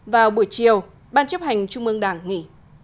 vào buổi chiều ban chấp hành trung ương đảng nghỉ